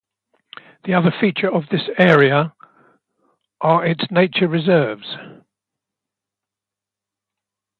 The other feature of this area are its nature reserves.